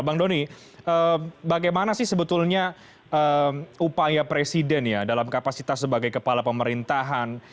bang doni bagaimana sih sebetulnya upaya presiden ya dalam kapasitas sebagai kepala pemerintahan